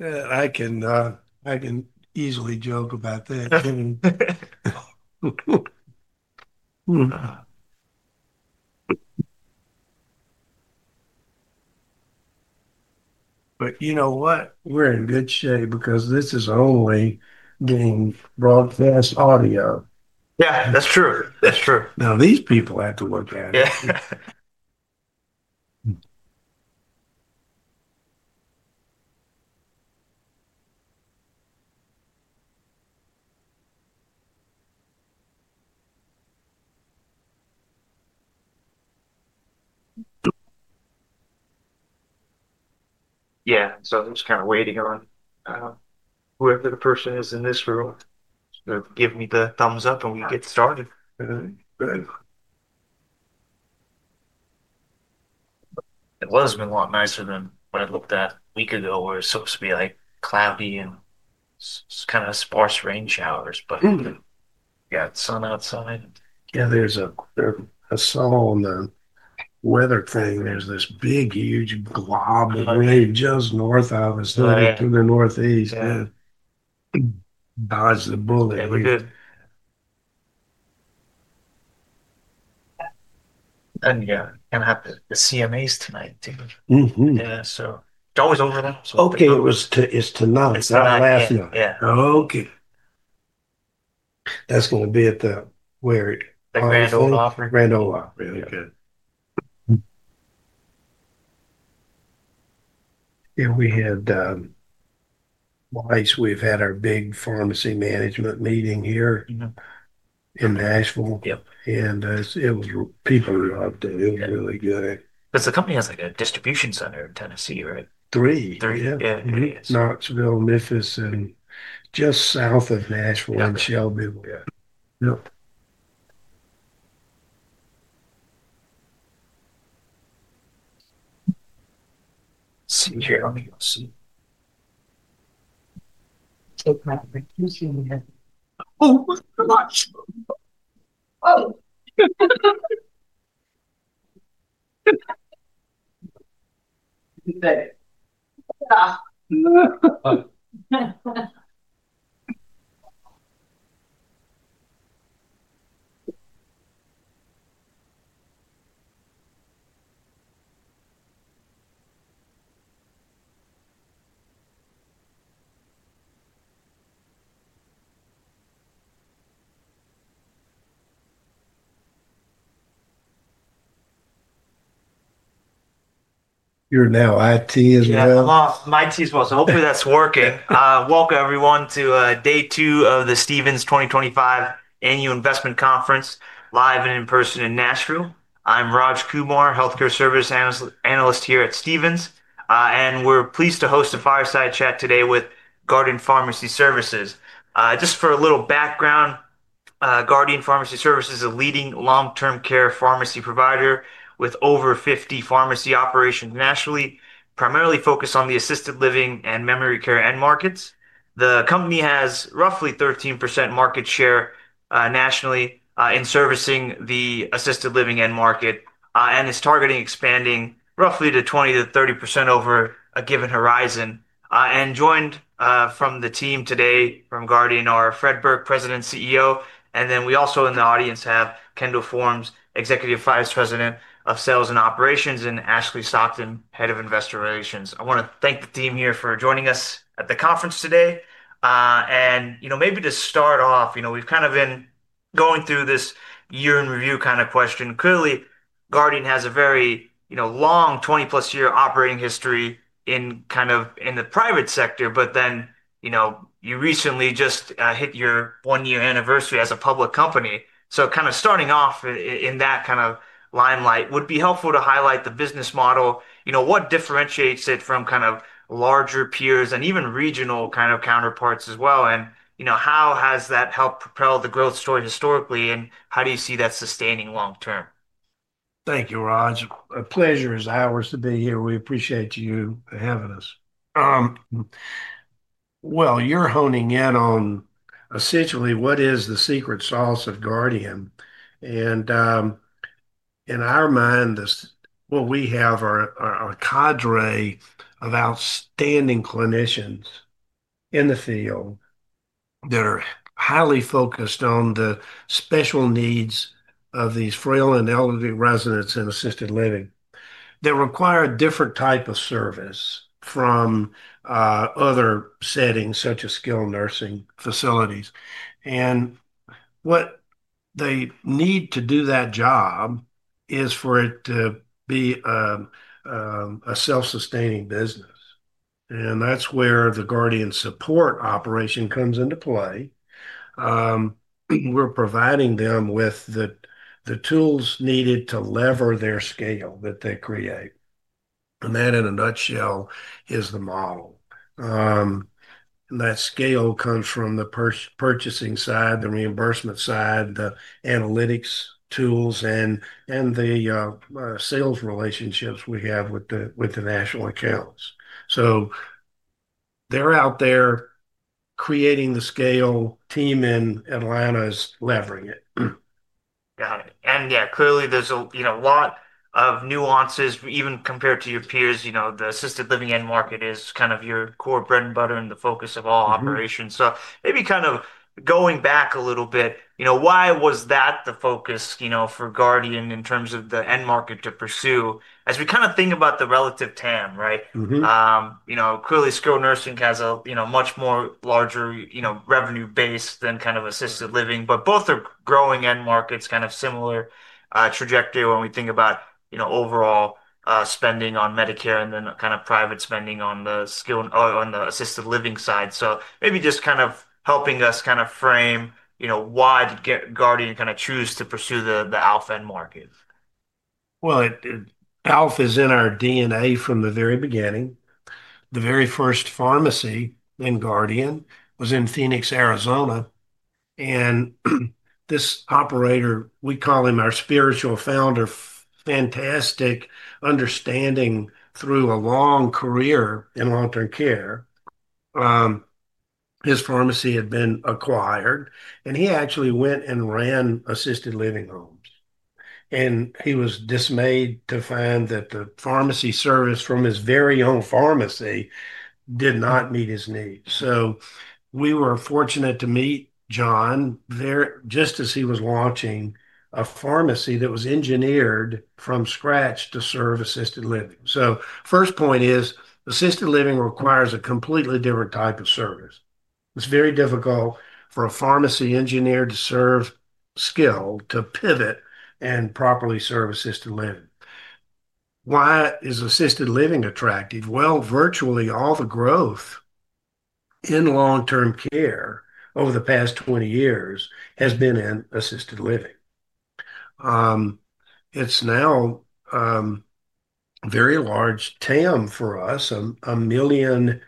I can easily joke about that. You know what? We're in good shape because this is only being broadcast audio. Yeah, that's true. That's true. Now, these people have to work at it. Yeah. I'm just kind of waiting on whoever the person is in this room to give me the thumbs up and we get started. It was a lot nicer than what I looked at a week ago, where it was supposed to be cloudy and kind of sparse rain showers. Yeah, the sun outside. Yeah, there's a song on the weather thing. There's this big, huge glob of rain just north of us, through the northeast, and dodge the bullet. You're going to have the CMAs tonight, too. Yeah, it is always over there. Okay. It's tonight. It's our last night. Okay. That's going to be at the where? The Grand Ole Opry. Grand Ole Opry. Okay. Yeah, we had twice. We've had our big pharmacy management meeting here in Nashville. And it was people loved it. It was really good. Because the company has a distribution center in Tennessee, right? Three. Three. Yeah. Knoxville, Memphis, and just south of Nashville in Shelby. Let's see here. Let me see. You're now IT as well? Yeah, I lost my TS was. Hopefully, that's working. Welcome, everyone, to day two of the Stephens 2025 Annual Investment Conference, live and in person in Nashville. I'm Raj Kumar, healthcare service analyst here at Stephens. We're pleased to host a fireside chat today with Guardian Pharmacy Services. Just for a little background, Guardian Pharmacy Services is a leading long-term care pharmacy provider with over 50 pharmacy operations nationally, primarily focused on the assisted living and memory care end markets. The company has roughly 13% market share nationally in servicing the assisted living end market and is targeting expanding roughly to 20-30% over a given horizon. Joined from the team today from Guardian are Fred Burke, President and CEO. We also in the audience have Kendall Farris, Executive Vice President of Sales and Operations, and Ashley Stockton, Head of Investor Relations. I want to thank the team here for joining us at the conference today. Maybe to start off, we've kind of been going through this year-in-review kind of question. Clearly, Guardian has a very long, 20+ year operating history kind of in the private sector. You recently just hit your one-year anniversary as a public company. Kind of starting off in that limelight, would it be helpful to highlight the business model? What differentiates it from kind of larger peers and even regional kind of counterparts as well? How has that helped propel the growth story historically? How do you see that sustaining long-term? Thank you, Raj. A pleasure as ours to be here. We appreciate you having us. You are honing in on essentially what is the secret sauce of Guardian. In our mind, what we have are a cadre of outstanding clinicians in the field that are highly focused on the special needs of these frail and elderly residents in assisted living that require a different type of service from other settings, such as skilled nursing facilities. What they need to do that job is for it to be a self-sustaining business. That is where the Guardian support operation comes into play. We are providing them with the tools needed to lever their scale that they create. That, in a nutshell, is the model. That scale comes from the purchasing side, the reimbursement side, the analytics tools, and the sales relationships we have with the national accounts. They're out there creating the scale. Team in Atlanta is levering it. Got it. Yeah, clearly, there's a lot of nuances, even compared to your peers. The assisted living end market is kind of your core bread and butter and the focus of all operations. Maybe kind of going back a little bit, why was that the focus for Guardian in terms of the end market to pursue? As we kind of think about the relative TAM, right? Clearly, skilled nursing has a much larger revenue base than kind of assisted living. Both are growing end markets, kind of similar trajectory when we think about overall spending on Medicare and then kind of private spending on the assisted living side. Maybe just kind of helping us kind of frame why did Guardian kind of choose to pursue the ALF end market? ALF is in our DNA from the very beginning. The very first pharmacy in Guardian was in Phoenix, Arizona. This operator, we call him our spiritual founder, fantastic understanding through a long career in long-term care. His pharmacy had been acquired, and he actually went and ran assisted living homes. He was dismayed to find that the pharmacy service from his very own pharmacy did not meet his needs. We were fortunate to meet John just as he was launching a pharmacy that was engineered from scratch to serve assisted living. First point is assisted living requires a completely different type of service. It's very difficult for a pharmacy engineer to serve skill, to pivot and properly serve assisted living. Why is assisted living attractive? Virtually all the growth in long-term care over the past 20 years has been in assisted living. It's now a very large TAM for us, a million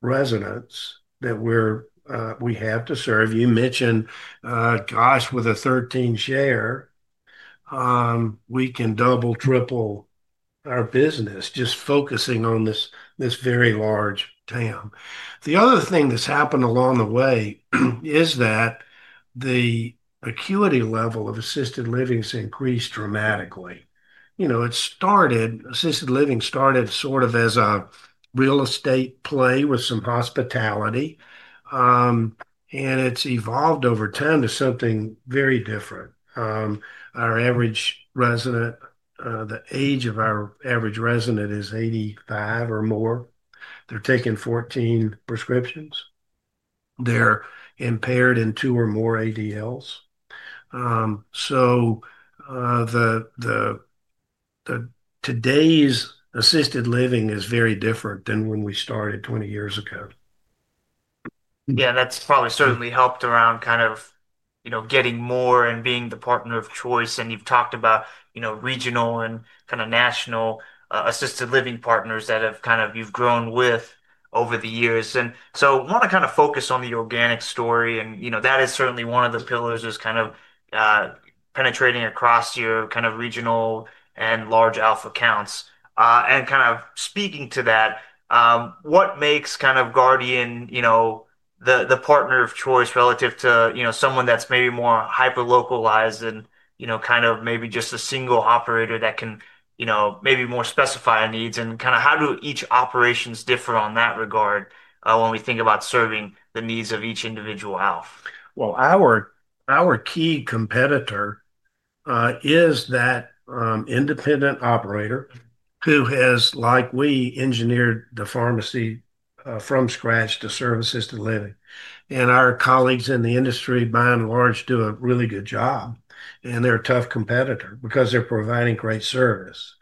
residents that we have to serve. You mentioned, gosh, with a 13% share, we can double, triple our business just focusing on this very large TAM. The other thing that's happened along the way is that the acuity level of assisted living has increased dramatically. Assisted living started sort of as a real estate play with some hospitality. It's evolved over time to something very different. Our average resident, the age of our average resident is 85 or more. They're taking 14 prescriptions. They're impaired in two or more ADLs. Today's assisted living is very different than when we started 20 years ago. Yeah, that's probably certainly helped around kind of getting more and being the partner of choice. You've talked about regional and kind of national assisted living partners that have kind of you've grown with over the years. I want to kind of focus on the organic story. That is certainly one of the pillars that's kind of penetrating across your kind of regional and large ALF accounts. Kind of speaking to that, what makes kind of Guardian the partner of choice relative to someone that's maybe more hyper-localized and kind of maybe just a single operator that can maybe more specify needs? How do each operations differ on that regard when we think about serving the needs of each individual ALF? Our key competitor is that independent operator who has, like we, engineered the pharmacy from scratch to serve assisted living. And our colleagues in the industry, by and large, do a really good job. They are a tough competitor because they are providing great service.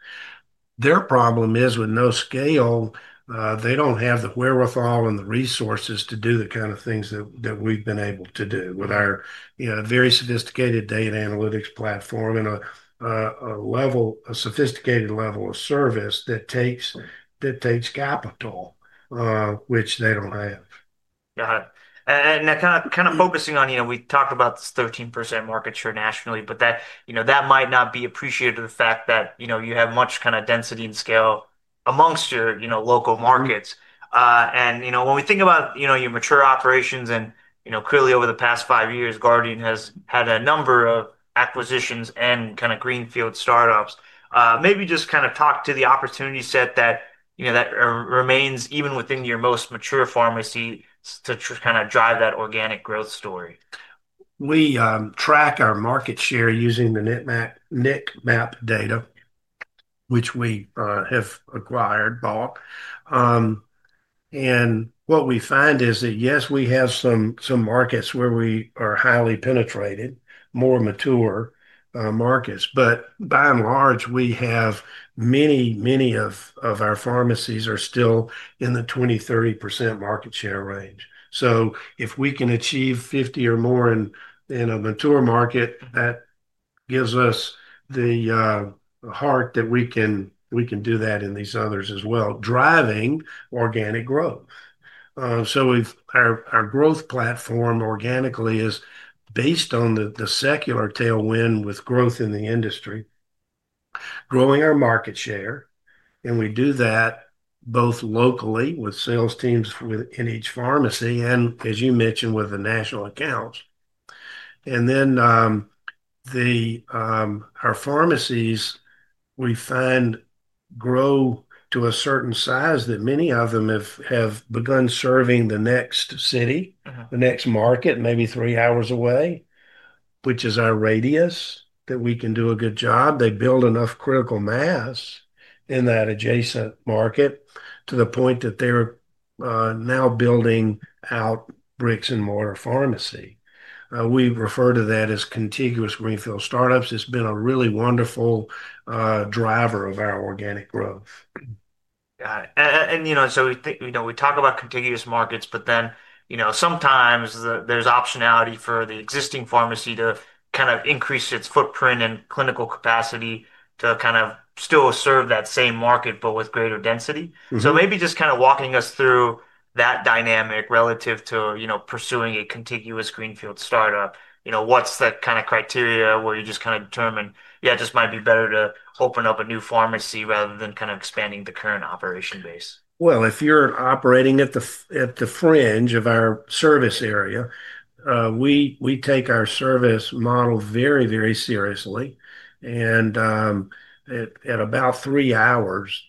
Their problem is with no scale. They do not have the wherewithal and the resources to do the kind of things that we have been able to do with our very sophisticated data analytics platform and a sophisticated level of service that takes capital, which they do not have. Got it. Kind of focusing on, we talked about this 13% market share nationally, but that might not be appreciated, the fact that you have much kind of density and scale amongst your local markets. When we think about your mature operations, and clearly over the past five years, Guardian has had a number of acquisitions and kind of greenfield startups. Maybe just kind of talk to the opportunity set that remains even within your most mature pharmacy to kind of drive that organic growth story. We track our market share using the NICMAP data, which we have acquired, bought. What we find is that, yes, we have some markets where we are highly penetrated, more mature markets. By and large, we have many, many of our pharmacies are still in the 20-30% market share range. If we can achieve 50% or more in a mature market, that gives us the heart that we can do that in these others as well, driving organic growth. Our growth platform organically is based on the secular tailwind with growth in the industry, growing our market share. We do that both locally with sales teams in each pharmacy and, as you mentioned, with the national accounts. Our pharmacies, we find, grow to a certain size that many of them have begun serving the next city, the next market, maybe three hours away, which is our radius that we can do a good job. They build enough critical mass in that adjacent market to the point that they're now building out bricks-and-mortar pharmacy. We refer to that as contiguous greenfield startups. It's been a really wonderful driver of our organic growth. Got it. We talk about contiguous markets, but then sometimes there's optionality for the existing pharmacy to kind of increase its footprint and clinical capacity to kind of still serve that same market, but with greater density. Maybe just kind of walking us through that dynamic relative to pursuing a contiguous greenfield startup, what's the kind of criteria where you just kind of determine, "Yeah, this might be better to open up a new pharmacy rather than kind of expanding the current operation base"? If you're operating at the fringe of our service area, we take our service model very, very seriously. At about three hours,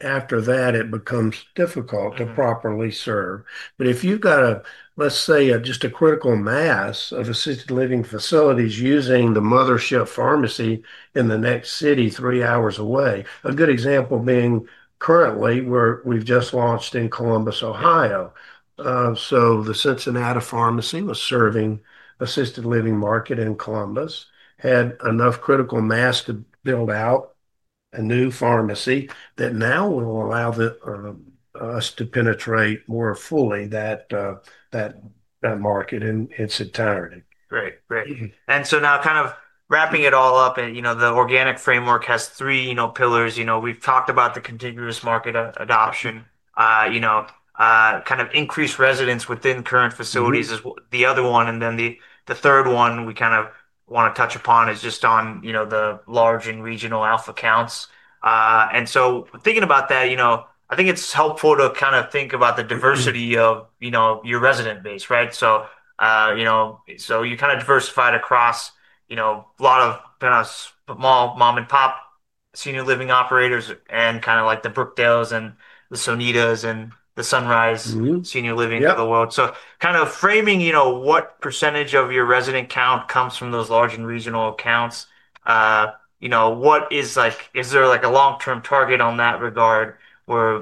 after that, it becomes difficult to properly serve. If you've got, let's say, just a critical mass of assisted living facilities using the mothership pharmacy in the next city three hours away, a good example being currently where we've just launched in Columbus, Ohio. The Cincinnati pharmacy was serving assisted living market in Columbus, had enough critical mass to build out a new pharmacy that now will allow us to penetrate more fully that market in its entirety. Great. Great. Now kind of wrapping it all up, the organic framework has three pillars. We've talked about the contiguous market adoption, kind of increased residents within current facilities is the other one. The third one we kind of want to touch upon is just on the large and regional ALF accounts. Thinking about that, I think it's helpful to kind of think about the diversity of your resident base, right? You kind of diversified across a lot of kind of small mom-and-pop senior living operators and kind of like the Brookdale Senior Living and the Sonida Senior Living and the Sunrise Senior Living of the world. Kind of framing what percentage of your resident count comes from those large and regional accounts, is there a long-term target on that regard where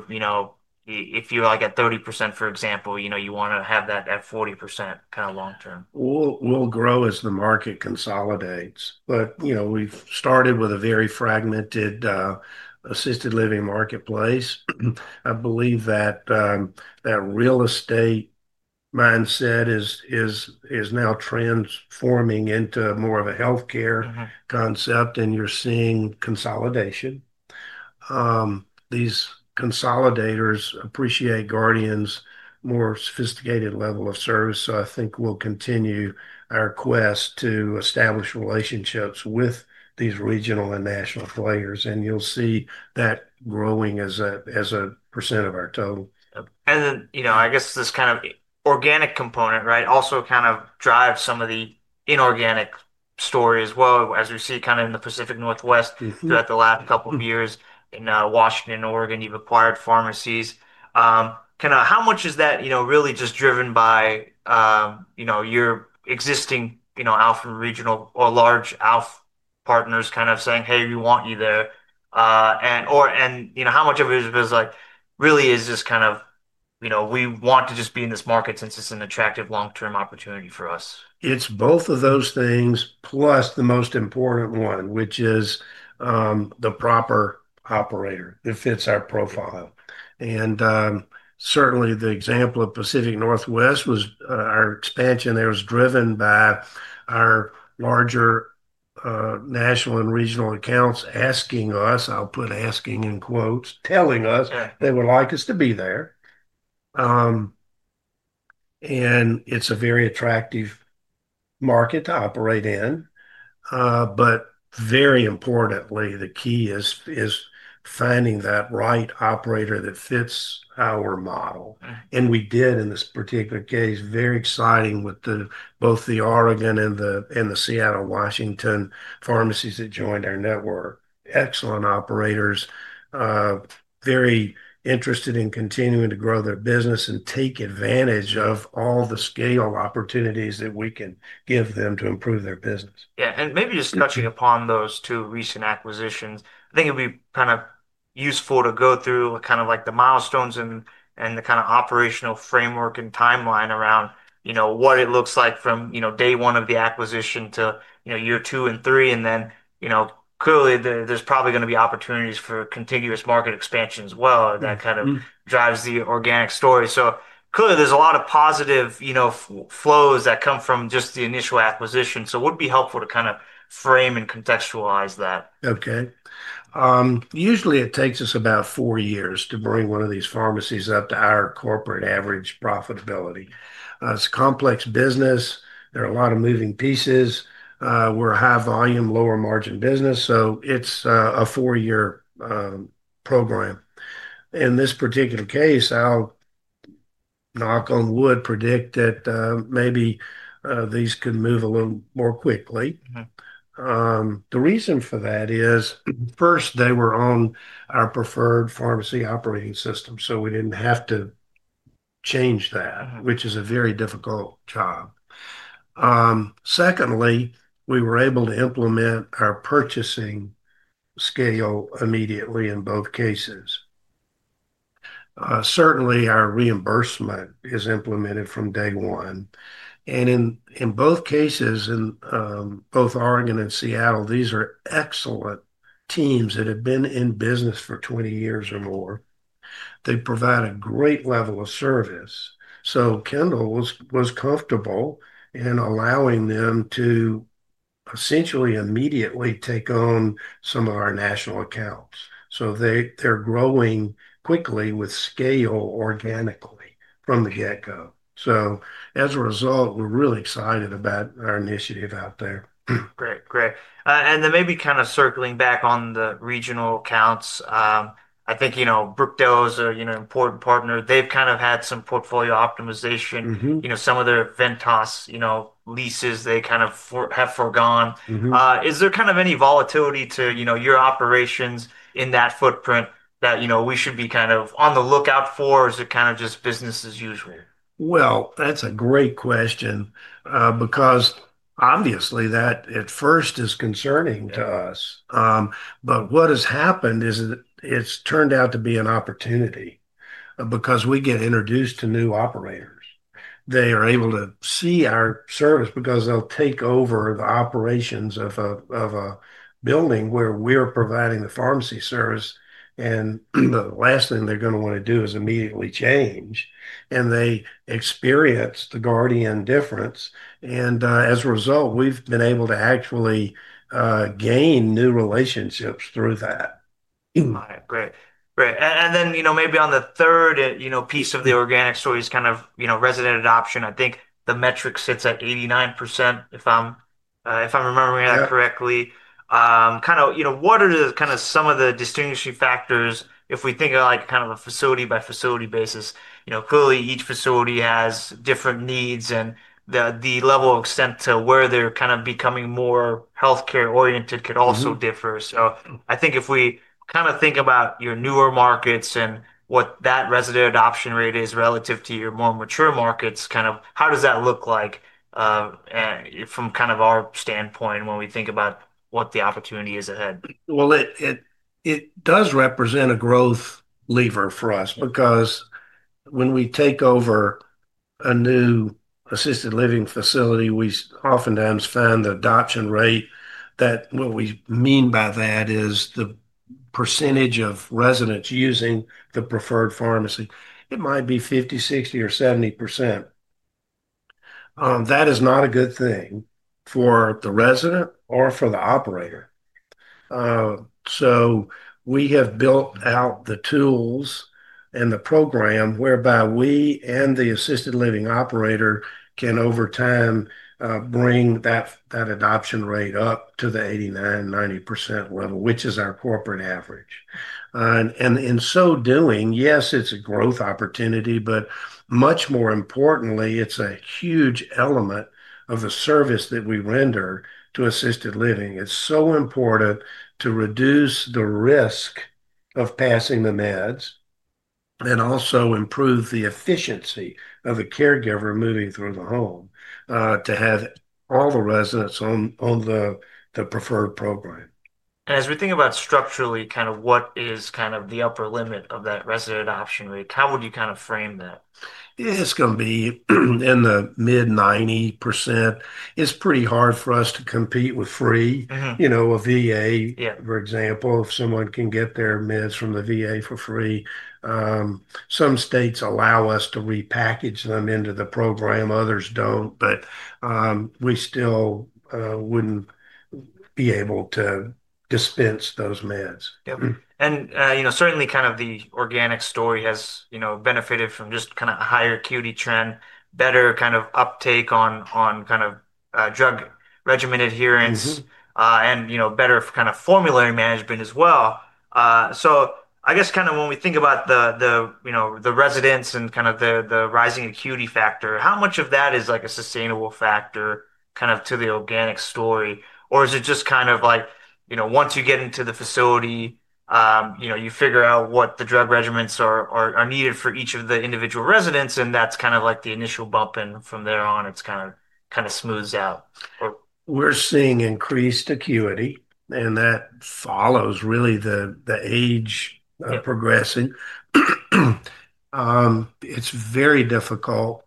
if you're at 30%, for example, you want to have that at 40% kind of long-term? We'll grow as the market consolidates. We started with a very fragmented assisted living marketplace. I believe that real estate mindset is now transforming into more of a healthcare concept, and you're seeing consolidation. These consolidators appreciate Guardian's more sophisticated level of service. I think we'll continue our quest to establish relationships with these regional and national players. You'll see that growing as a % of our total. I guess this kind of organic component, right, also kind of drives some of the inorganic story as well as we see in the Pacific Northwest throughout the last couple of years in Washington and Oregon, you've acquired pharmacies. Kind of how much is that really just driven by your existing ALF and regional or large ALF partners kind of saying, "Hey, we want you there"? And how much of it really is just kind of, "We want to just be in this market since it's an attractive long-term opportunity for us"? It's both of those things, plus the most important one, which is the proper operator that fits our profile. Certainly, the example of Pacific Northwest was our expansion. There was driven by our larger national and regional accounts asking us, I'll put asking in quotes, telling us they would like us to be there. It's a very attractive market to operate in. Very importantly, the key is finding that right operator that fits our model. We did in this particular case. Very exciting with both the Oregon and the Seattle, Washington pharmacies that joined our network. Excellent operators. Very interested in continuing to grow their business and take advantage of all the scale opportunities that we can give them to improve their business. Yeah. Maybe just touching upon those two recent acquisitions, I think it'd be kind of useful to go through kind of the milestones and the kind of operational framework and timeline around what it looks like from day one of the acquisition to year two and three. Clearly, there's probably going to be opportunities for contiguous market expansion as well that kind of drives the organic story. Clearly, there's a lot of positive flows that come from just the initial acquisition. It would be helpful to kind of frame and contextualize that. Okay. Usually, it takes us about four years to bring one of these pharmacies up to our corporate average profitability. It's a complex business. There are a lot of moving pieces. We're a high-volume, lower-margin business. It's a four-year program. In this particular case, I'll knock on wood, predict that maybe these could move a little more quickly. The reason for that is, first, they were on our preferred pharmacy operating system, so we didn't have to change that, which is a very difficult job. Secondly, we were able to implement our purchasing scale immediately in both cases. Certainly, our reimbursement is implemented from day one. In both cases, in both Oregon and Seattle, these are excellent teams that have been in business for 20 years or more. They provide a great level of service. Kendall was comfortable in allowing them to essentially immediately take on some of our national accounts. They are growing quickly with scale organically from the get-go. As a result, we are really excited about our initiative out there. Great. Great. Maybe kind of circling back on the regional accounts, I think Brookdale is an important partner. They've kind of had some portfolio optimization. Some of their Ventas leases, they kind of have foregone. Is there kind of any volatility to your operations in that footprint that we should be kind of on the lookout for? Is it kind of just business as usual? That is a great question because obviously that at first is concerning to us. What has happened is it has turned out to be an opportunity because we get introduced to new operators. They are able to see our service because they will take over the operations of a building where we are providing the pharmacy service. The last thing they are going to want to do is immediately change. They experience the Guardian difference. As a result, we have been able to actually gain new relationships through that. Got it. Great. Great. Maybe on the third piece of the organic story is kind of resident adoption. I think the metric sits at 89%, if I'm remembering that correctly. What are some of the distinguishing factors if we think of a facility-by-facility basis? Clearly, each facility has different needs, and the level of extent to where they're becoming more healthcare-oriented could also differ. I think if we think about your newer markets and what that resident adoption rate is relative to your more mature markets, how does that look like from our standpoint when we think about what the opportunity is ahead? It does represent a growth lever for us because when we take over a new assisted living facility, we oftentimes find the adoption rate, that what we mean by that is the percentage of residents using the preferred pharmacy. It might be 50%, 60%, or 70%. That is not a good thing for the resident or for the operator. We have built out the tools and the program whereby we and the assisted living operator can over time bring that adoption rate up to the 89%-90% level, which is our corporate average. In so doing, yes, it's a growth opportunity, but much more importantly, it's a huge element of the service that we render to assisted living. It's so important to reduce the risk of passing the meds and also improve the efficiency of the caregiver moving through the home to have all the residents on the preferred program. As we think about structurally, kind of what is kind of the upper limit of that resident adoption rate, how would you kind of frame that? It's going to be in the mid 90%. It's pretty hard for us to compete with free. A VA, for example, if someone can get their meds from the VA for free. Some states allow us to repackage them into the program. Others don't, but we still wouldn't be able to dispense those meds. Yeah. Certainly, kind of the organic story has benefited from just kind of a higher acuity trend, better kind of uptake on kind of drug regimen adherence, and better kind of formulary management as well. I guess kind of when we think about the residents and kind of the rising acuity factor, how much of that is a sustainable factor kind of to the organic story? Is it just kind of like once you get into the facility, you figure out what the drug regimens are needed for each of the individual residents, and that's kind of the initial bump, and from there on, it kind of smooths out? We're seeing increased acuity, and that follows really the age progressing. It's very difficult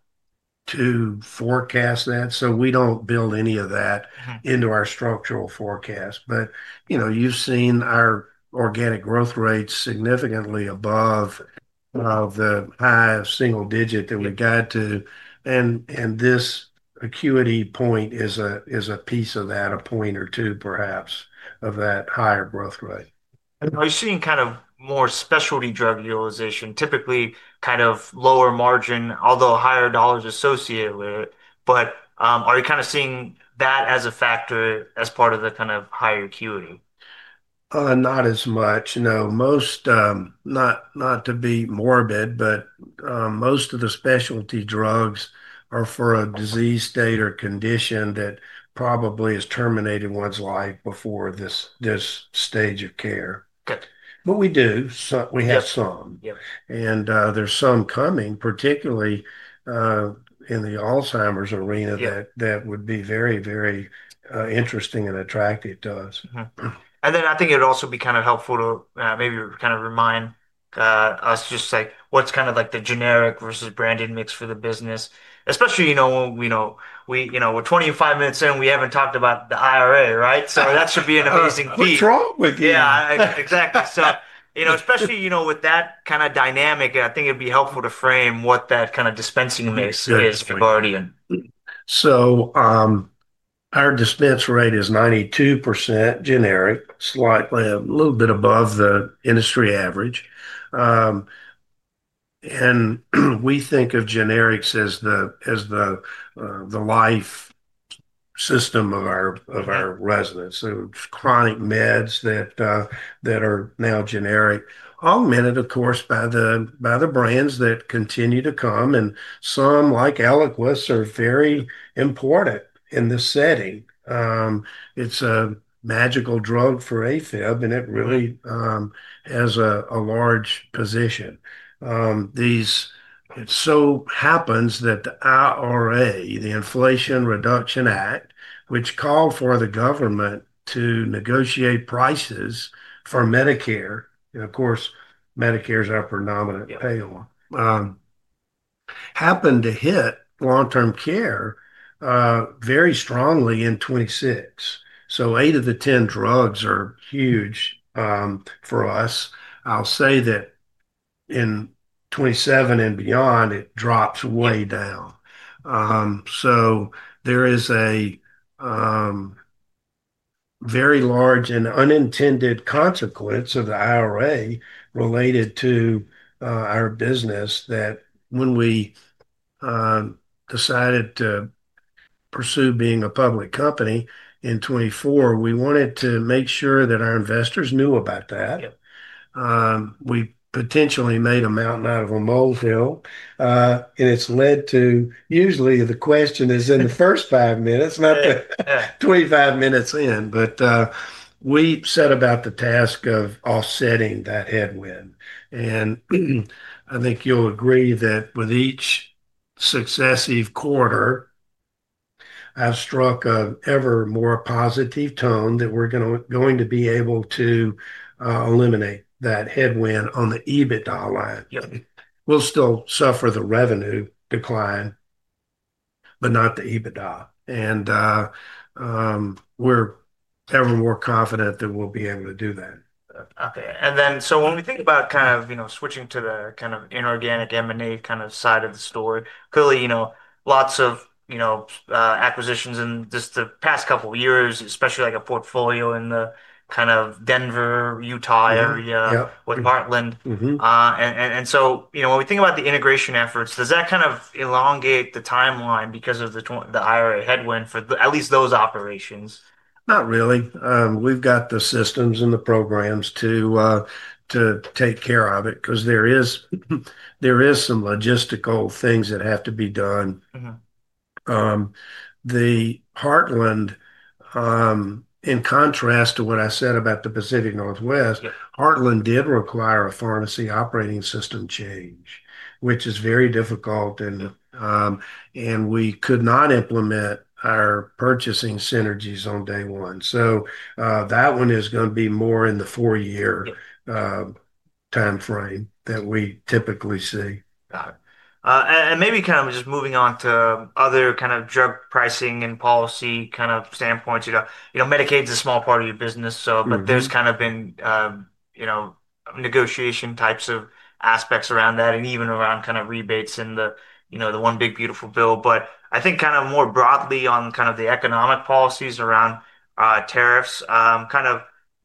to forecast that. We don't build any of that into our structural forecast. You've seen our organic growth rate significantly above the high single digit that we got to. This acuity point is a piece of that, a point or two, perhaps, of that higher growth rate. Are you seeing kind of more specialty drug utilization, typically kind of lower margin, although higher dollars associated with it? Are you kind of seeing that as a factor as part of the kind of higher acuity? Not as much. No. Not to be morbid, but most of the specialty drugs are for a disease state or condition that probably has terminated one's life before this stage of care. We do. We have some. There are some coming, particularly in the Alzheimer's arena, that would be very, very interesting and attractive to us. I think it'd also be kind of helpful to maybe kind of remind us just what's kind of the generic versus branded mix for the business, especially when we're 25 minutes in, we haven't talked about the IRA, right? That should be an amazing feat. What's wrong with you? Yeah. Exactly. Especially with that kind of dynamic, I think it'd be helpful to frame what that kind of dispensing mix is for Guardian. Our dispense rate is 92% generic, slightly a little bit above the industry average. We think of generics as the life system of our residents. Chronic meds that are now generic, augmented, of course, by the brands that continue to come. Some, like Eliquis, are very important in this setting. It's a magical drug for AFib, and it really has a large position. It so happens that the IRA, the Inflation Reduction Act, which called for the government to negotiate prices for Medicare, and of course, Medicare is our predominant payer, happened to hit long-term care very strongly in 2026. Eight of the ten drugs are huge for us. I'll say that in 2027 and beyond, it drops way down. There is a very large and unintended consequence of the IRA related to our business that when we decided to pursue being a public company in 2024, we wanted to make sure that our investors knew about that. We potentially made a mountain out of a molehill. It has led to usually the question is in the first five minutes, not the 25 minutes in, but we set about the task of offsetting that headwind. I think you'll agree that with each successive quarter, I've struck an ever more positive tone that we're going to be able to eliminate that headwind on the EBITDA line. We'll still suffer the revenue decline, but not the EBITDA. We are ever more confident that we'll be able to do that. Okay. And then when we think about kind of switching to the kind of inorganic M&A kind of side of the story, clearly lots of acquisitions in just the past couple of years, especially a portfolio in the kind of Denver, Utah area, with Heartland. And then when we think about the integration efforts, does that kind of elongate the timeline because of the IRA headwind for at least those operations? Not really. We've got the systems and the programs to take care of it because there are some logistical things that have to be done. Heartland, in contrast to what I said about the Pacific Northwest, did require a pharmacy operating system change, which is very difficult, and we could not implement our purchasing synergies on day one. That one is going to be more in the four-year timeframe that we typically see. Got it. Maybe kind of just moving on to other kind of drug pricing and policy kind of standpoints. Medicaid is a small part of your business, but there's kind of been negotiation types of aspects around that and even around kind of rebates in the One Big Beautiful Bill. I think kind of more broadly on kind of the economic policies around tariffs, kind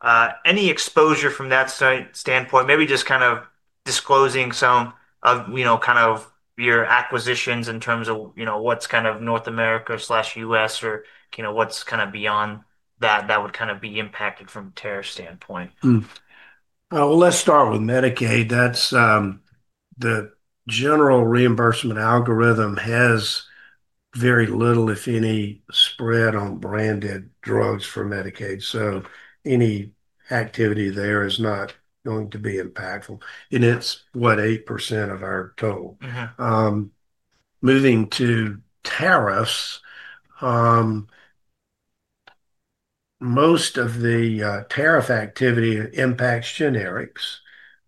of any exposure from that standpoint, maybe just kind of disclosing some of kind of your acquisitions in terms of what's kind of North America/US or what's kind of beyond that that would kind of be impacted from a tariff standpoint. Let's start with Medicaid. The general reimbursement algorithm has very little, if any, spread on branded drugs for Medicaid. Any activity there is not going to be impactful. It is, what, 8% of our total. Moving to tariffs, most of the tariff activity impacts generics.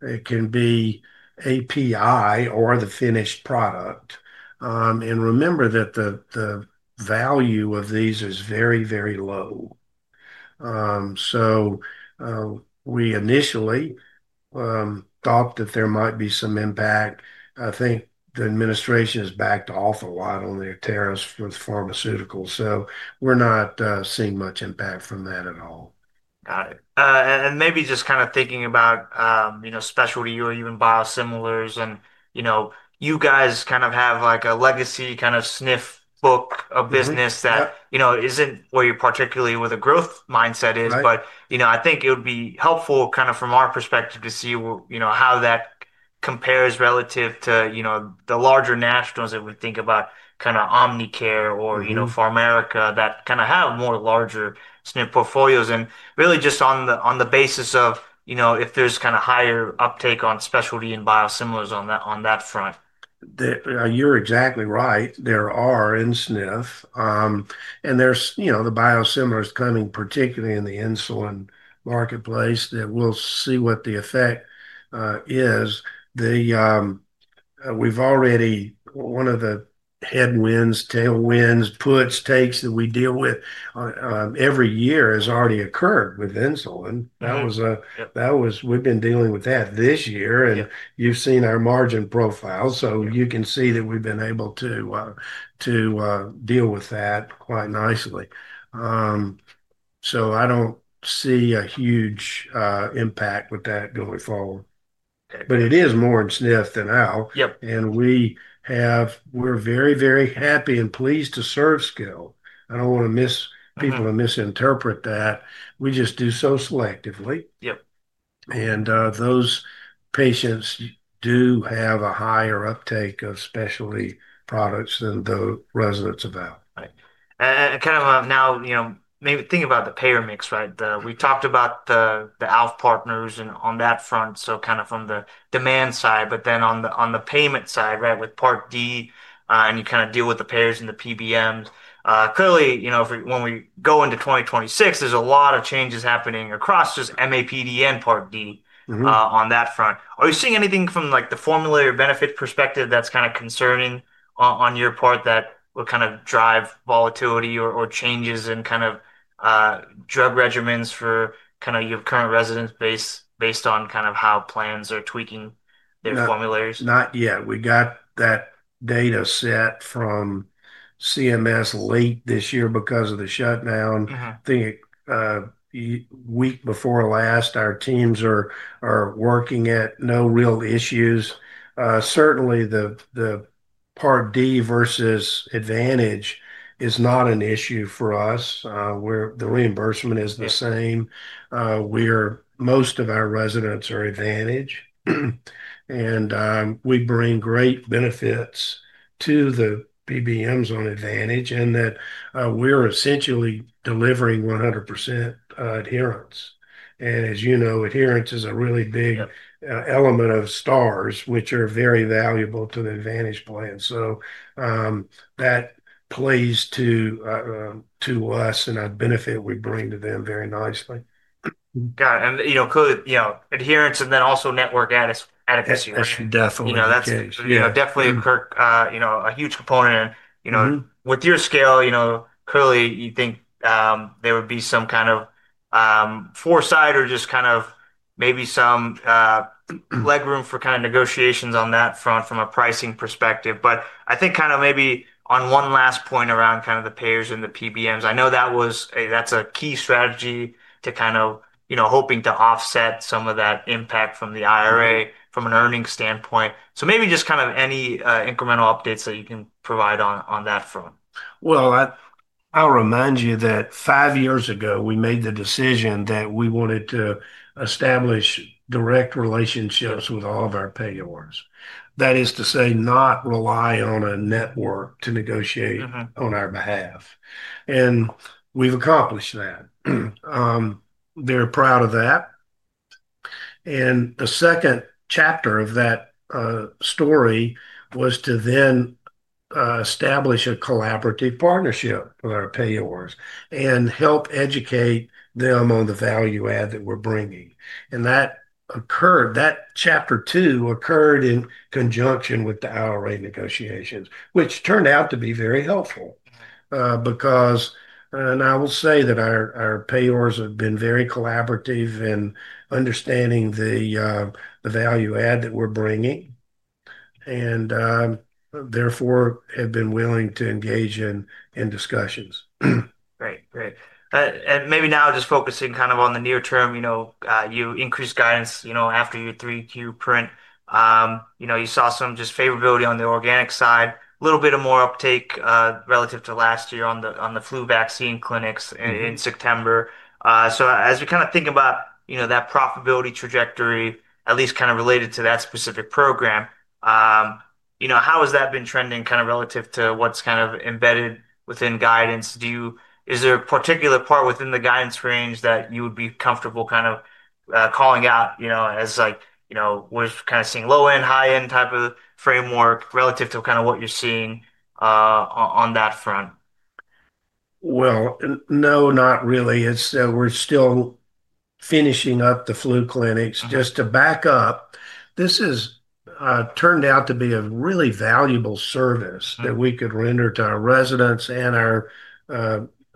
It can be API or the finished product. Remember that the value of these is very, very low. We initially thought that there might be some impact. I think the administration has backed off a lot on their tariffs with pharmaceuticals. We are not seeing much impact from that at all. Got it. Maybe just kind of thinking about specialty or even biosimilars. You guys kind of have a legacy kind of SNF book of business that isn't where you particularly with a growth mindset is, but I think it would be helpful kind of from our perspective to see how that compares relative to the larger nationals if we think about kind of Omnicare or PharMerica that kind of have more larger SNF portfolios and really just on the basis of if there's kind of higher uptake on specialty and biosimilars on that front. You're exactly right. There are in SNF. And there's the biosimilars coming, particularly in the insulin marketplace. We'll see what the effect is. We've already, one of the headwinds, tailwinds, puts, takes that we deal with every year has already occurred with insulin. We've been dealing with that this year. And you've seen our margin profile. So you can see that we've been able to deal with that quite nicely. I don't see a huge impact with that going forward. It is more in SNF than out. We're very, very happy and pleased to serve skilled. I don't want people to misinterpret that. We just do so selectively. Those patients do have a higher uptake of specialty products than the residents of out. Right. Kind of now maybe thinking about the payer mix, right? We talked about the ALF partners on that front, so kind of from the demand side, but then on the payment side, right, with Part D, and you kind of deal with the payers and the PBMs. Clearly, when we go into 2026, there is a lot of changes happening across just MAPD and Part D on that front. Are you seeing anything from the formulary benefit perspective that is kind of concerning on your part that will kind of drive volatility or changes in kind of drug regimens for kind of your current residents based on kind of how plans are tweaking their formularies? Not yet. We got that data set from CMS late this year because of the shutdown. I think week before last, our teams are working at no real issues. Certainly, the Part D versus Advantage is not an issue for us. The reimbursement is the same. Most of our residents are Advantage. We bring great benefits to the PBMs on Advantage in that we're essentially delivering 100% adherence. And as you know, adherence is a really big element of stars, which are very valuable to the Advantage plan. That plays to us, and a benefit we bring to them very nicely. Got it. Clearly, adherence and then also network adequacy. Definitely. That's definitely a huge component. With your scale, clearly, you think there would be some kind of foresight or just kind of maybe some leg room for kind of negotiations on that front from a pricing perspective. I think kind of maybe on one last point around kind of the payers and the PBMs, I know that's a key strategy to kind of hoping to offset some of that impact from the IRA from an earnings standpoint. Maybe just kind of any incremental updates that you can provide on that front. I will remind you that five years ago, we made the decision that we wanted to establish direct relationships with all of our payors. That is to say, not rely on a network to negotiate on our behalf. We have accomplished that. We are proud of that. The second chapter of that story was to then establish a collaborative partnership with our payors and help educate them on the value add that we are bringing. That chapter two occurred in conjunction with the IRA negotiations, which turned out to be very helpful because I will say that our payors have been very collaborative in understanding the value add that we are bringing and therefore have been willing to engage in discussions. Great. Great. Maybe now just focusing kind of on the near term, you increased guidance after your three-year print. You saw some just favorability on the organic side, a little bit of more uptake relative to last year on the flu vaccine clinics in September. As we kind of think about that profitability trajectory, at least kind of related to that specific program, how has that been trending kind of relative to what's kind of embedded within guidance? Is there a particular part within the guidance range that you would be comfortable kind of calling out as we're kind of seeing low-end, high-end type of framework relative to kind of what you're seeing on that front? No, not really. We are still finishing up the flu clinics. Just to back up, this has turned out to be a really valuable service that we could render to our residents and our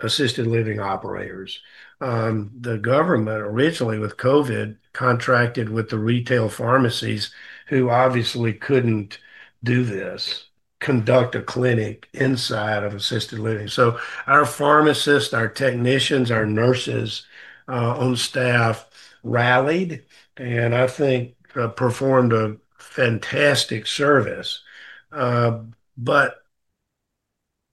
assisted living operators. The government originally with COVID contracted with the retail pharmacies who obviously could not do this, conduct a clinic inside of assisted living. Our pharmacists, our technicians, our nurses, own staff rallied, and I think performed a fantastic service.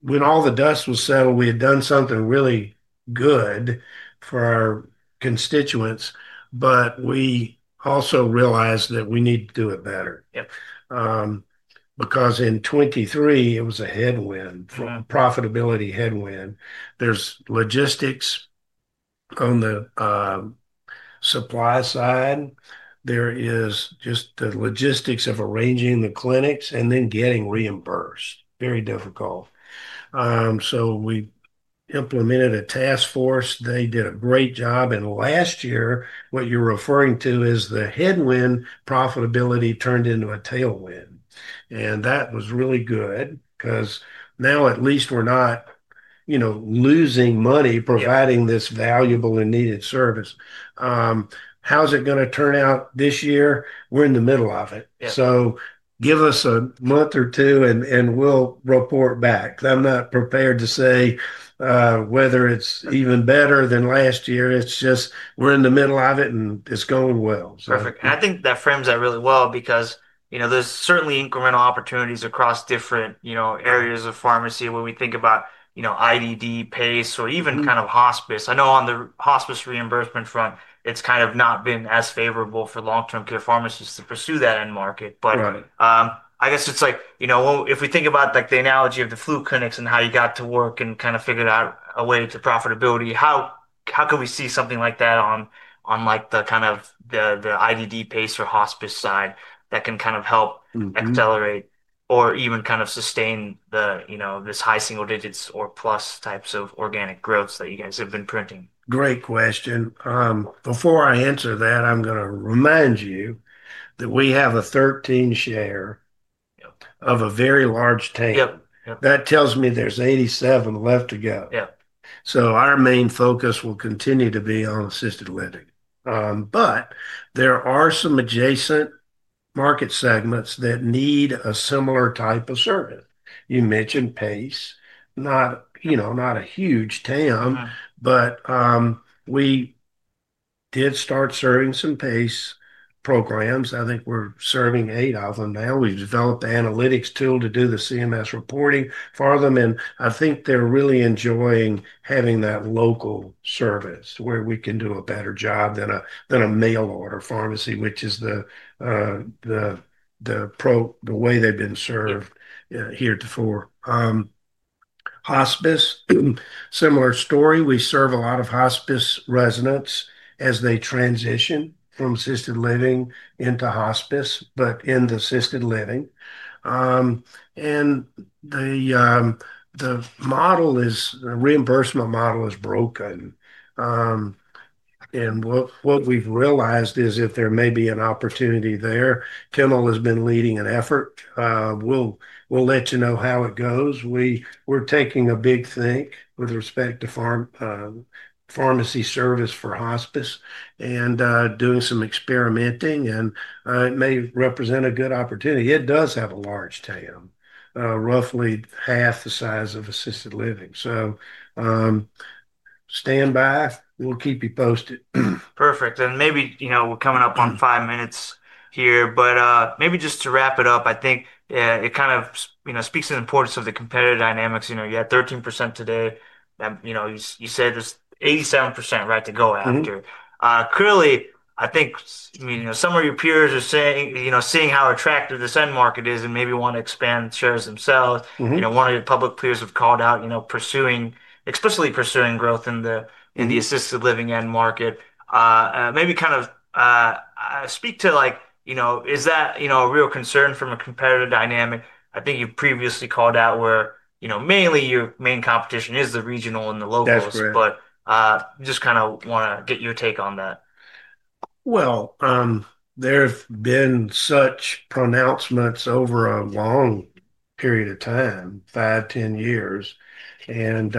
When all the dust was settled, we had done something really good for our constituents, but we also realized that we need to do it better. Because in 2023, it was a headwind, profitability headwind. There is logistics on the supply side. There is just the logistics of arranging the clinics and then getting reimbursed. Very difficult. We implemented a task force. They did a great job. Last year, what you're referring to is the headwind profitability turned into a tailwind. That was really good because now at least we're not losing money providing this valuable and needed service. How's it going to turn out this year? We're in the middle of it. Give us a month or two and we'll report back. I'm not prepared to say whether it's even better than last year. It's just we're in the middle of it and it's going well. Perfect. I think that frames that really well because there's certainly incremental opportunities across different areas of pharmacy when we think about IDD, PACE, or even kind of hospice. I know on the hospice reimbursement front, it's kind of not been as favorable for long-term care pharmacies to pursue that end market. I guess it's like if we think about the analogy of the flu clinics and how you got to work and kind of figured out a way to profitability, how can we see something like that on the kind of the IDD, PACE, or hospice side that can kind of help accelerate or even kind of sustain this high single digits or plus types of organic growths that you guys have been printing? Great question. Before I answer that, I'm going to remind you that we have a 13% share of a very large TAM. That tells me there's 87% left to go. Our main focus will continue to be on assisted living. There are some adjacent market segments that need a similar type of service. You mentioned PACE, not a huge TAM, but we did start serving some PACE programs. I think we're serving eight of them now. We've developed an analytics tool to do the CMS reporting for them. I think they're really enjoying having that local service where we can do a better job than a mail order pharmacy, which is the way they've been served heretofore. Hospice, similar story. We serve a lot of hospice residents as they transition from assisted living into hospice, but in the assisted living. The reimbursement model is broken. What we've realized is if there may be an opportunity there, Kendall has been leading an effort. We'll let you know how it goes. We're taking a big think with respect to pharmacy service for hospice and doing some experimenting. It may represent a good opportunity. It does have a large TAM, roughly half the size of assisted living. Stand by. We'll keep you posted. Perfect. Maybe we're coming up on five minutes here, but maybe just to wrap it up, I think it kind of speaks to the importance of the competitive dynamics. You had 13% today. You said there's 87% right to go after. Clearly, I think some of your peers are seeing how attractive this end market is and maybe want to expand shares themselves. One of your public peers have called out pursuing, especially pursuing growth in the assisted living end market. Maybe kind of speak to is that a real concern from a competitive dynamic? I think you previously called out where mainly your main competition is the regional and the locals, but just kind of want to get your take on that. There have been such pronouncements over a long period of time, 5, 10 years. And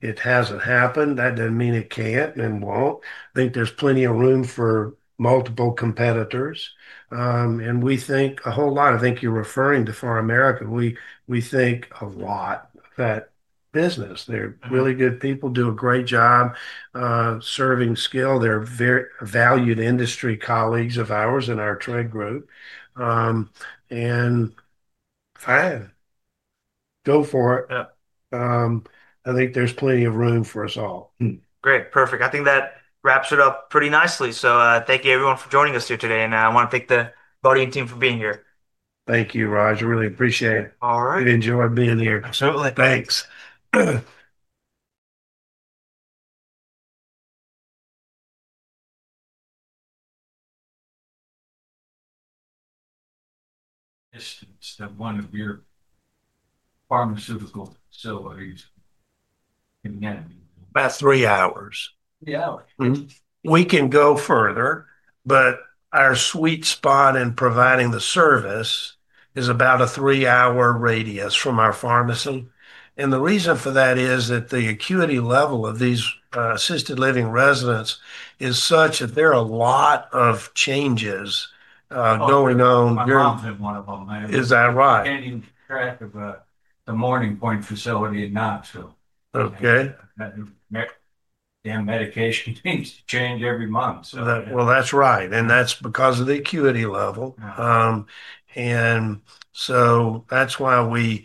it has not happened. That does not mean it cannot and will not. I think there is plenty of room for multiple competitors. I think you are referring to PharMerica. We think a lot of that business. They are really good people, do a great job serving skilled. They are valued industry colleagues of ours in our trade group. Go for it. I think there is plenty of room for us all. Great. Perfect. I think that wraps it up pretty nicely. Thank you, everyone, for joining us here today. I want to thank the Guardian team for being here. Thank you, Roger. Really appreciate it. All right. You enjoyed being here. Absolutely. Thanks. Distance to one of your pharmaceutical facilities? About three hours. Three hours? We can go further, but our sweet spot in providing the service is about a three-hour radius from our pharmacy. The reason for that is that the acuity level of these assisted living residents is such that there are a lot of changes going on. I'm in one of them. Is that right? I'm standing track of the Morning Pointe facility in Knoxville. Okay. Medication needs to change every month. That's right. And that's because of the acuity level. And so that's why we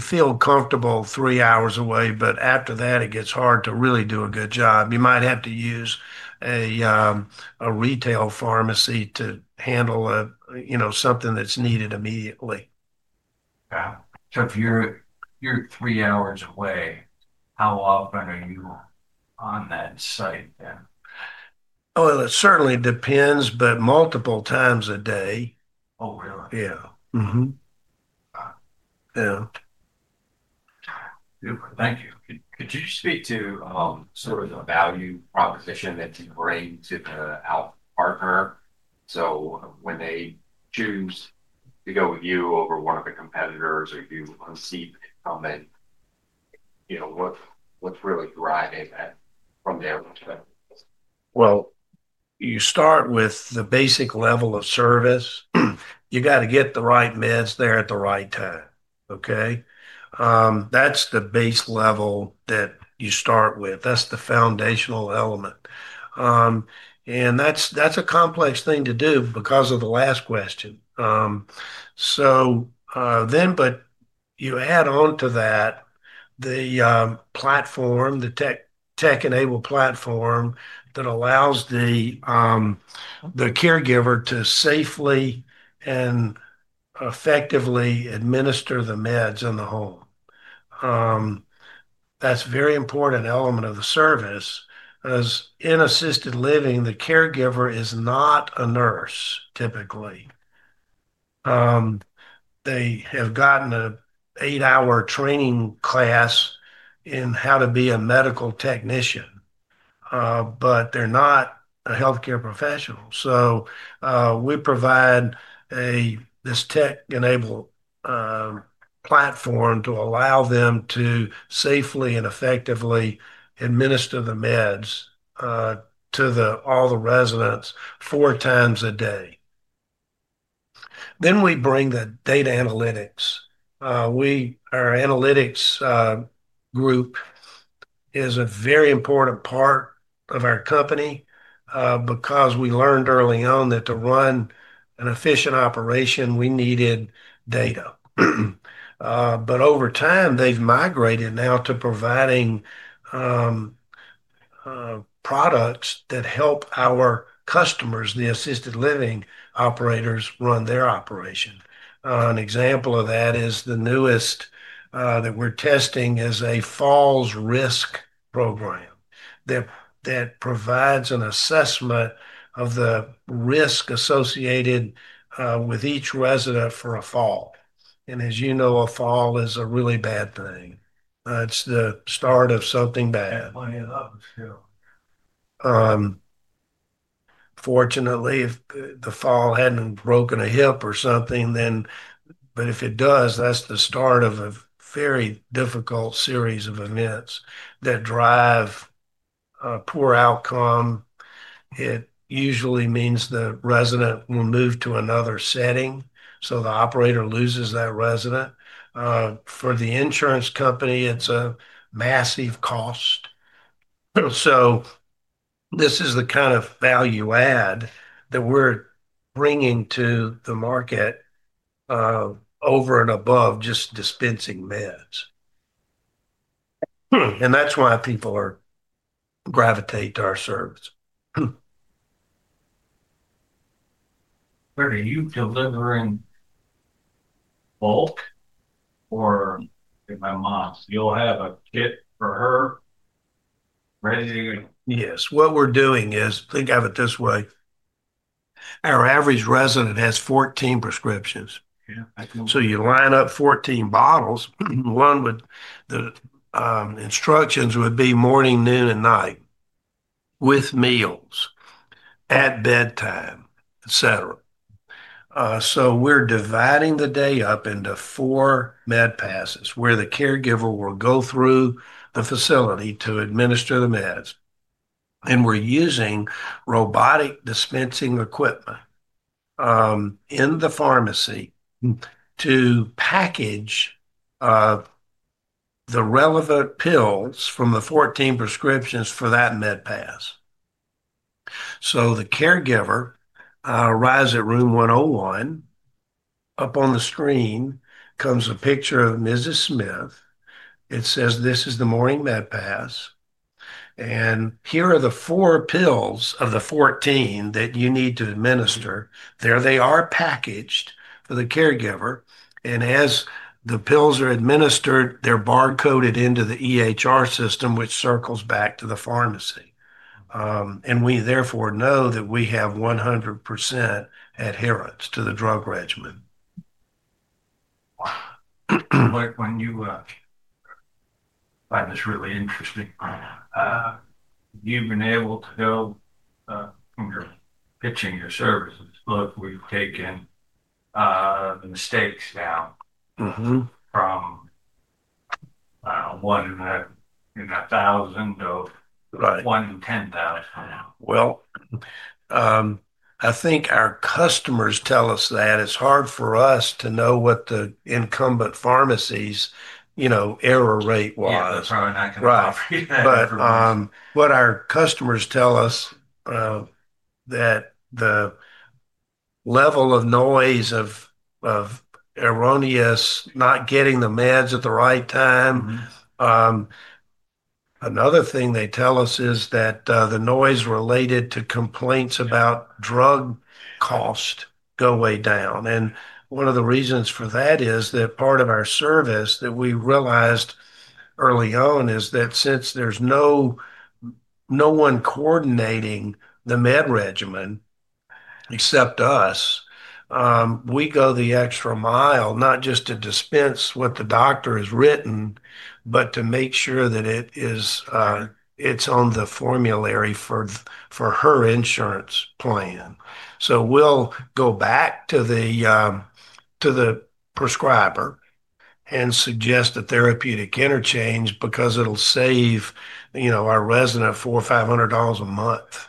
feel comfortable three hours away, but after that, it gets hard to really do a good job. You might have to use a retail pharmacy to handle something that's needed immediately. If you're three hours away, how often are you on that site then? It certainly depends, but multiple times a day. Oh, really? Yeah. Super. Thank you. Could you speak to sort of the value proposition that you bring to the health partner? When they choose to go with you over one of the competitors or you unseat them, what's really driving that from there? You start with the basic level of service. You got to get the right meds there at the right time. Okay? That's the base level that you start with. That's the foundational element. That's a complex thing to do because of the last question. You add on to that the platform, the tech-enabled platform that allows the caregiver to safely and effectively administer the meds in the home. That's a very important element of the service. In assisted living, the caregiver is not a nurse, typically. They have gotten an eight-hour training class in how to be a medical technician, but they're not a healthcare professional. We provide this tech-enabled platform to allow them to safely and effectively administer the meds to all the residents 4x a day. Then we bring the data analytics. Our analytics group is a very important part of our company because we learned early on that to run an efficient operation, we needed data. Over time, they've migrated now to providing products that help our customers, the assisted living operators, run their operation. An example of that is the newest that we're testing is a falls risk program that provides an assessment of the risk associated with each resident for a fall. As you know, a fall is a really bad thing. It's the start of something bad. Fortunately, if the fall hadn't broken a hip or something, but if it does, that's the start of a very difficult series of events that drive poor outcome. It usually means the resident will move to another setting. The operator loses that resident. For the insurance company, it's a massive cost. This is the kind of value add that we're bringing to the market over and above just dispensing meds. That's why people gravitate to our service. Are you delivering bulk or amounts? You'll have a kit for her ready to? Yes. What we're doing is think of it this way. Our average resident has 14 prescriptions. You line up 14 bottles. The instructions would be morning, noon, and night with meals at bedtime, etc. We are dividing the day up into four med passes where the caregiver will go through the facility to administer the meds. We are using robotic dispensing equipment in the pharmacy to package the relevant pills from the 14 prescriptions for that med pass. The caregiver arrives at room 101. Up on the screen comes a picture of Mrs. Smith. It says, "This is the morning med pass. Here are the four pills of the 14 that you need to administer." There they are packaged for the caregiver. As the pills are administered, they are barcoded into the EHR system, which circles back to the pharmacy. We therefore know that we have 100% adherence to the drug regimen. When you find this really interesting, you've been able to go from your pitching your services, look, we've taken mistakes down from one in a thousand to one in 10,000. I think our customers tell us that. It's hard for us to know what the incumbent pharmacies' error rate was. Yeah. Probably not going to offer you that. What our customers tell us is that the level of noise of erroneous not getting the meds at the right time. Another thing they tell us is that the noise related to complaints about drug cost go way down. One of the reasons for that is that part of our service that we realized early on is that since there is no one coordinating the med regimen except us, we go the extra mile, not just to dispense what the doctor has written, but to make sure that it is on the formulary for her insurance plan. We will go back to the prescriber and suggest a therapeutic interchange because it will save our resident $400, $500 a month.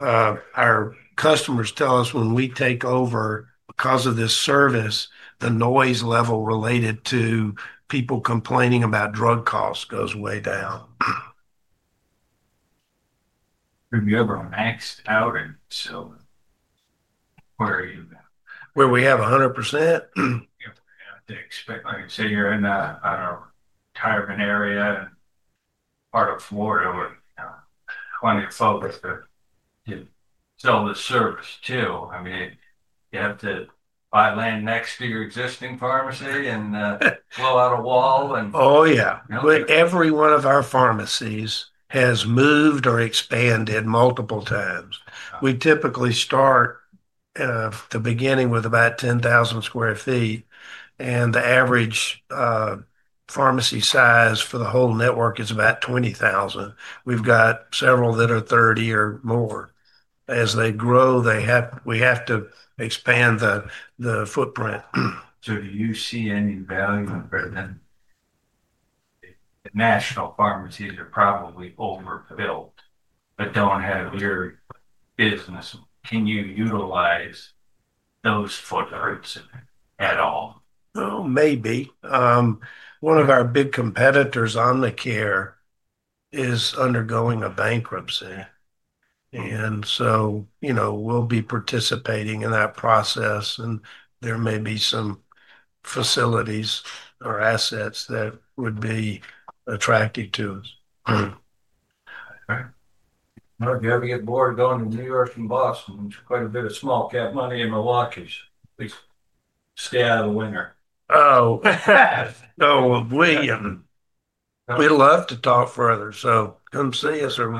Our customers tell us when we take over because of this service, the noise level related to people complaining about drug costs goes way down. Have you ever maxed out? Where are you now? Where do we have 100%? Yeah. Like I said, you're in a retirement area in part of Florida where plenty of folks that sell this service too. I mean, you have to buy land next to your existing pharmacy and blow out a wall. Oh, yeah. Every one of our pharmacies has moved or expanded multiple times. We typically start at the beginning with about 10,000 sq ft. The average pharmacy size for the whole network is about 20,000. We've got several that are 30,000 or more. As they grow, we have to expand the footprint. Do you see any value for them? National pharmacies are probably overfilled but do not have your business. Can you utilize those footprints at all? Maybe. One of our big competitors, Omnicare, is undergoing a bankruptcy. We will be participating in that process. There may be some facilities or assets that would be attractive to us. All right. Do you ever get bored going to New York and Boston? There's quite a bit of small-cap money in Milwaukee. Please stay out of the winter. Oh. We'd love to talk further. Come see us or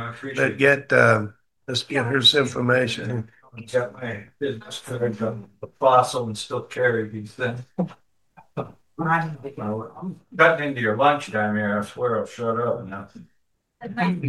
get us information. I'll get my business card from the fossil and still carry these things. Cutting into your lunch, Damir. I swear I'll shut up.